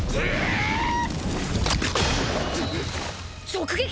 直撃！？